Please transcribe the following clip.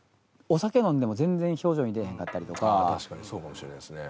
確かにそうかもしれないですね。